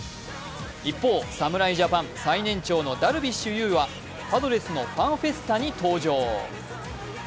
一方、侍ジャパン最年長のダルビッシュ有はパドレスのファンフェスタに登場。